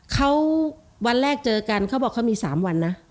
เขาวันแรกเจอกันเขาบอกเขามี๓วันนะ